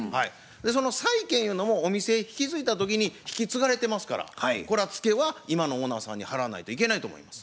その債権ゆうのもお店引き継いだ時に引き継がれてますからこれはツケは今のオーナーさんに払わないといけないと思います。